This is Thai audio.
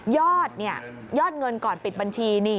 ยอดยอดเงินก่อนปิดบัญชี